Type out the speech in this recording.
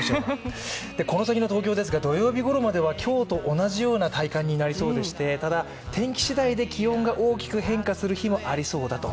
この先の東京ですが、土曜日ごろまでは今日と同じような体感になりそうでして、ただ天気次第で気温が大きく変化する日もありそうだと。